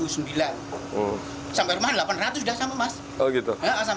sampai rumah rp delapan ratus sudah sama mas